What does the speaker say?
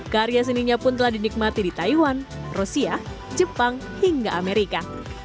karya seninya pun telah dinikmati di taiwan rusia jepang hingga amerika